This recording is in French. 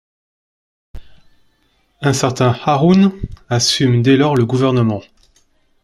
Un certain Haroun assume dès lors le gouvernement.